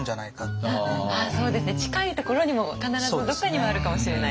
そうですね近いところにも必ずどっかにはあるかもしれない。